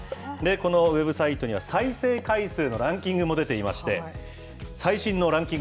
このウェブサイトには、再生回数のランキングも出ていまして、最新のランキング